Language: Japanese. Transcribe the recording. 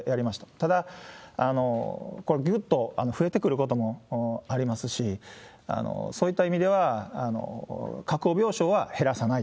ただ、これぐっと増えてくることもありますし、そういった意味では、確保病床は減らさない。